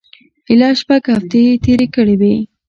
ایله شپږ هفتې یې تېرې کړې وې.